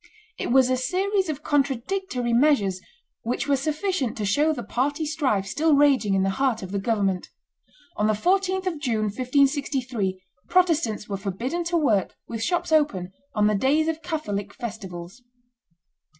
It was a series of contradictory measures which were sufficient to show the party strife still raging in the heart of the government. On the 14th of June, 1563, Protestants were forbidden to work, with shops open, on the days of Catholic festivals.